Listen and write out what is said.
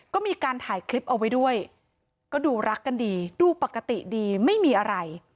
ก็มีการถ่ายคลิปเอาไว้ด้วยก็ดูรักกันดีดูปกติดีไม่มีอะไร